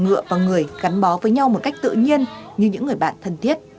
ngựa và người gắn bó với nhau một cách tự nhiên như những người bạn thân thiết